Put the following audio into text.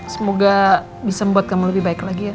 semoga bisa membuat kamu lebih baik lagi ya